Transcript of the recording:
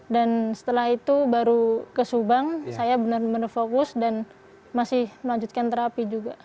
dan setelah itu baru ke subang saya benar benar fokus dan masih melanjutkan terapi juga